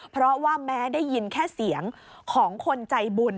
เพราะว่าแม้ได้ยินแค่เสียงของคนใจบุญ